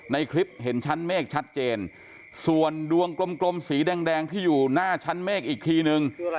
ในคลิปเห็นชั้นเมฆชัดเจนส่วนดวงกลมสีแดงที่อยู่หน้าชั้นเมฆอีกทีนึง